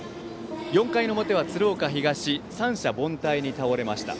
４回の表は鶴岡東三者凡退に倒れました。